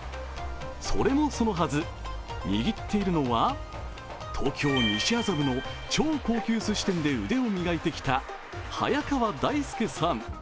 それもそのはず、握っているのは東京・西麻布の超高級すし店で腕を磨いていた早川太輔さん。